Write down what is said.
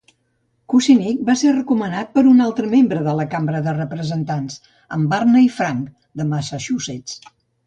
Kucinich va ser recomanat per un altra membre de la Cambra de Representants, en Barney Frank de Massachusetts.